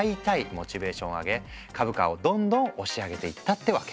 モチベーションを上げ株価をどんどん押し上げていったってわけ。